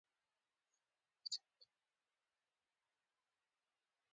هغې وویل: جميله بارکلي، زه په تا شرمیږم.